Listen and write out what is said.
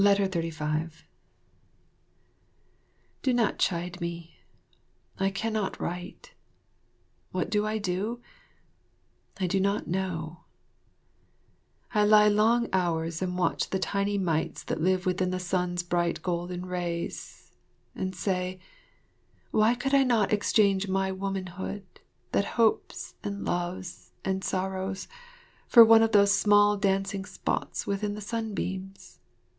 35 Do not chide me. I cannot write. What do I do? I do not know. I lie long hours and watch the tiny mites that live within the sun's bright golden rays, and say, "Why could I not exchange my womanhood, that hopes and loves and sorrows, for one of those small dancing spots within the sunbeams?